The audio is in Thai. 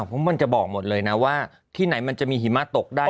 เพราะมันจะบอกหมดเลยนะว่าที่ไหนมันจะมีหิมะตกได้